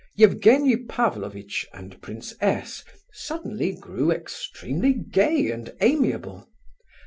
Evgenie Pavlovitch and Prince S. suddenly grew extremely gay and amiable.